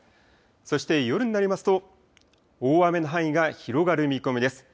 そして夜になりますと大雨の範囲が広がる見込みです。